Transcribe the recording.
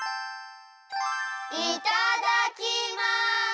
いただきます！